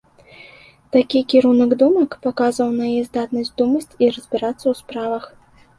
Такі кірунак думак паказваў на яе здатнасць думаць і разбірацца ў справах.